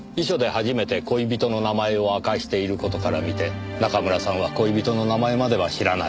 遺書で初めて恋人の名前を明かしている事からみて中村さんは恋人の名前までは知らないはず。